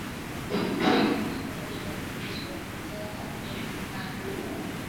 Twiga hawa huwa na uwezo wa kuzaa au kupanda wafikishapo umri wa miaka miatatu